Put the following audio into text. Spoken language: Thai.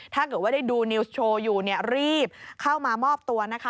ถ้าเกิดว่าได้ดูนิวส์โชว์อยู่เนี่ยรีบเข้ามามอบตัวนะคะ